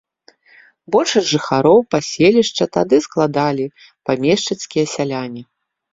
Большасць жыхароў паселішча тады складалі памешчыцкія сяляне.